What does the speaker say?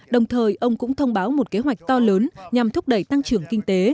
đồng thời ông cũng thông báo một kế hoạch to lớn nhằm thúc đẩy tăng trưởng kinh tế